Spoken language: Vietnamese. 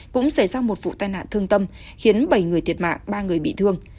cũng xảy ra một vụ tai nạn thương tâm khiến bảy người thiệt mạng ba người bị thương